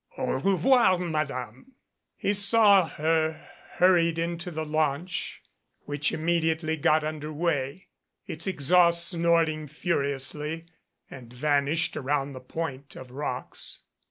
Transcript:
"Au revoir, Madame." He saw her hurried into the launch, which immediately got under way, its exnauct snorting furiously, and van ished around the point of rocks.